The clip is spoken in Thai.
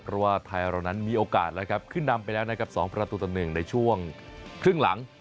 เพราะว่าไทยเรานั้นมีโอกาสแล้วครับขึ้นนำไปแล้วนะครับ๒ประตูต่อ๑ในช่วงครึ่งหลัง